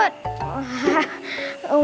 so inggris gue